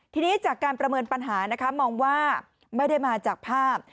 ทีนี้จากการประเมินปัญหานะคะมองว่าไม่ได้มาจากภาพ